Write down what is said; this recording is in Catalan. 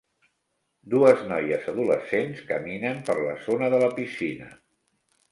Dues noies adolescents caminen per la zona de la piscina.